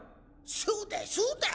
そうだそうだ！